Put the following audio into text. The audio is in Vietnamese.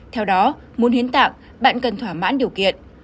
theo đó muốn hiến tạng bạn cần thỏa mãn điều kiện